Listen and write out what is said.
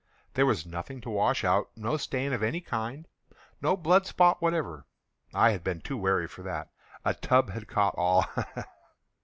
There was nothing to wash out—no stain of any kind—no blood spot whatever. I had been too wary for that. A tub had caught all—ha! ha!